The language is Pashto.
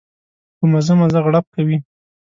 په مزه مزه غړپ کوي.